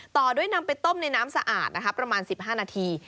ต่อด้วยนำไปต้มในน้ำสะอาดนะคะประมาณ๑๕นาที